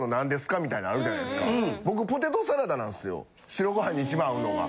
白ご飯に一番合うのが。